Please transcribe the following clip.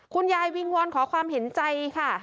วิงวอนขอความเห็นใจค่ะ